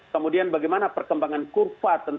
kemudian bagaimana perkembangan kurva tentang r dan r dua